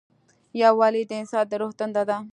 یووالی د انسان د روح تنده ده.